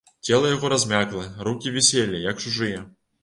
Цела яго размякла, рукі віселі, як чужыя.